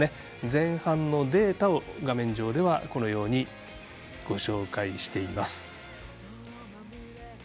前半のデータを画面上でご紹介しています。